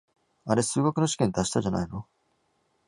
あれ、数学の試験って明日じゃないの？